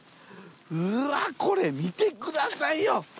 うわこれ見てくださいよ！